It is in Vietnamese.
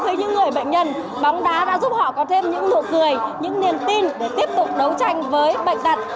với những người bệnh nhân bóng đá đã giúp họ có thêm những nụ cười những niềm tin để tiếp tục đấu tranh với bệnh tật